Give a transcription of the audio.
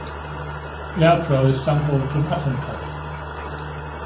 The outro is sampled from "Atentat".